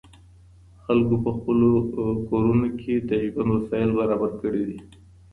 خلګو په خپلو کورونو کي د ژوند وسايل برابر کړي دي.